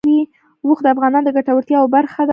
اوښ د افغانانو د ګټورتیا یوه برخه ده.